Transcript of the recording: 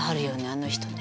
あの人ね。